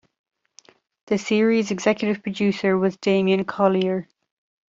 The series' executive producer was Damian Collier.